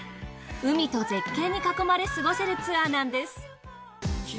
海と絶景に囲まれ過ごせるツアーなんです。